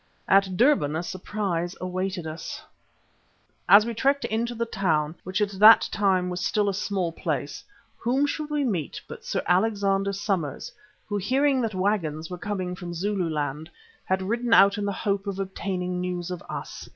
At Durban a surprise awaited us since, as we trekked into the town, which at that time was still a small place, whom should we meet but Sir Alexander Somers, who, hearing that wagons were coming from Zululand, had ridden out in the hope of obtaining news of us.